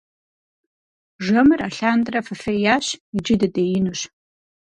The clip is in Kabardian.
Жэмыр алъандэрэ фыфеящ, иджы дыдеинущ.